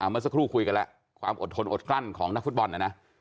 เมื่อสักครู่คุยกันแล้วความอดทนอดกลั้นของนักฟุตบอลนะนะ